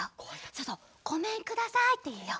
そうそう「ごめんください」っていうよ。